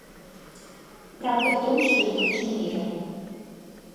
Правда в том, что я хочу мира.